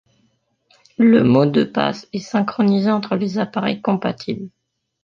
Le mot de passe est synchronisé entre les appareils compatibles.